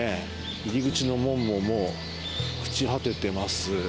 入り口の門ももう朽ち果ててます。